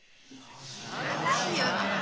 知らないよな。